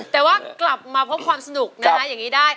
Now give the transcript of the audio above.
แต่ว่ากลับมาพบความสนุกนะฮะ